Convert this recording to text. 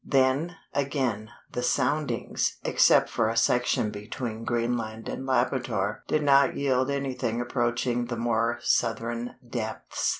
Then, again, the soundings (except for a section between Greenland and Labrador) did not yield anything approaching the more southern depths.